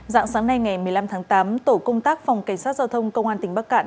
dạng sáng nay ngày một mươi năm tháng tám tổ công tác phòng cảnh sát giao thông công an tỉnh bắc cạn